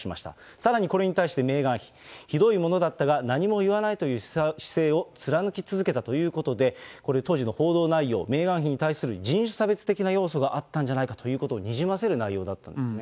さらに、これに対してメーガン妃、ひどいものだったが、何も言わないという姿勢を貫き続けたということで、これ当時の報道内容、メーガン妃に対する人種差別的な要素があったんじゃないかということを、にじませる内容だったんですね。